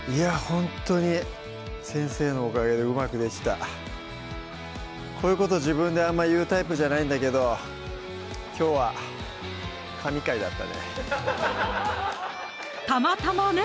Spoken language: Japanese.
ほんとに先生のおかげでうまくできたこういうこと自分であんまり言うタイプじゃないんだけどたまたまね